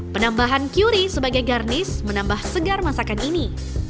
penambahan kuri sebagai garnish menambah segar masakan ini